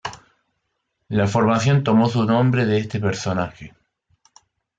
La formación tomó su nombre de este personaje.